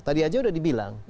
tadi aja sudah dibilang